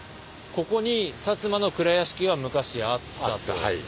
ここに薩摩の蔵屋敷が昔あった。